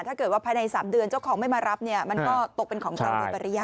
ถ้าเกิดว่าภายใน๓เดือนเจ้าของไม่มารับเนี่ยมันก็ตกเป็นของเขาในปริยาม